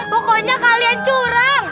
pokoknya kalian curang